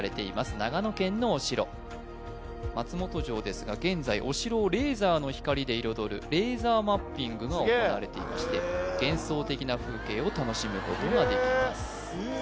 長野県のお城松本城ですが現在お城をレーザーの光で彩るレーザーマッピングが行われていまして幻想的な風景を楽しむことができます